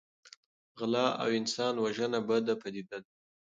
غلا او انسان وژنه بده پدیده ده.